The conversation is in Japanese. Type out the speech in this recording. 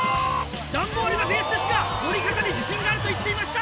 段ボールがベースですが乗り方に自信があると言っていました！